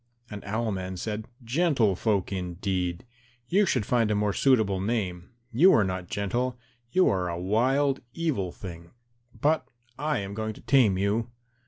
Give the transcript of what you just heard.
And Owl man said, "Gentle folk indeed! You should find a more suitable name; you are not gentle; you are a wild evil thing, but I am going to tame you."